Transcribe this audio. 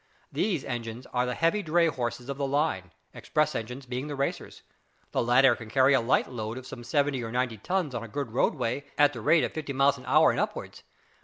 These engines are the heavy dray horses of the line, express engines being the racers. The latter can carry a light load of some seventy or ninety tons on a good roadway at the rate of fifty miles an hour or upwards.